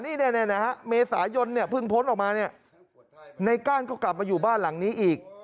นี่นะฮะเมษายนเนี่ยเพิ่งพ้นออกมาเนี่ยในก้านก็กลับมาอยู่บ้านหลังนี้อีก